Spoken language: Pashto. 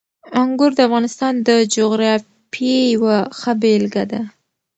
انګور د افغانستان د جغرافیې یوه ښه بېلګه ده.